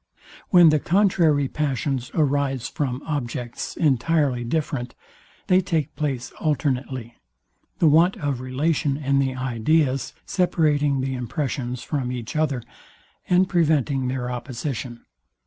When the contrary passions arise from objects entirely different, they take place alternately, the want of relation in the ideas separating the impressions from each other, and preventing their opposition.